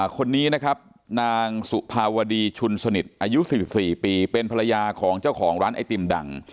คนนี้นะครับนางสุภาวดีชุนสนิทอายุ๔๔ปีเป็นภรรยาของเจ้าของร้านไอติมดัง